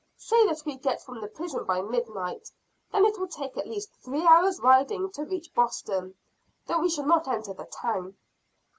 "Say that we get from the prison by midnight. Then it will take at least three hours riding to reach Boston though we shall not enter the town."